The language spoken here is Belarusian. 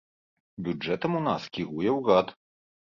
Бюджэтам у нас кіруе ўрад.